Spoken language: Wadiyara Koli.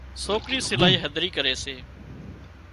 سوڪرِي سلائي هڌري ڪري سي